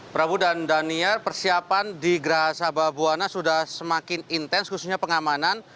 prabu dan daniel persiapan di geraha sababwana sudah semakin intens khususnya pengamanan